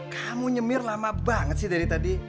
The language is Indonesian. kamu nyemir lama banget sih dari tadi